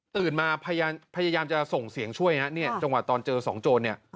ตื่นมาพยายามจะส่งเสียงช่วยนะจังหวะตอนเจอ๒โจรเนี่ย